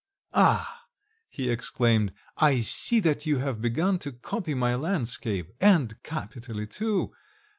"Ah!" he exclaimed: "I see that you have begun to copy my landscape and capitally too.